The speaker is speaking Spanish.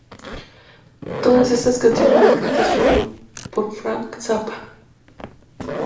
Todas las canciones escritas por Frank Zappa.